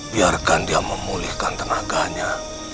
biarkan dia memulihkan tenaganya